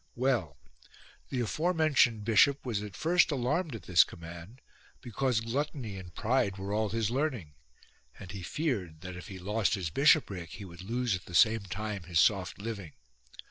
Well, the aforementioned bishop was at first alarmed at this command, because gluttony and pride were all his learning, and he feared that if he lost his bishopric he would lose at the same time his soft living.